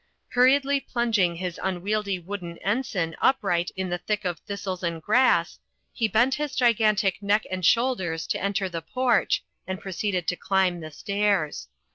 Hurriedly plimging his unwieldy wooden ensign upright in the thick of thistles and grass, he bent his gigantic neck and shoulders to enter the porch, and proceeded to climb the stairs.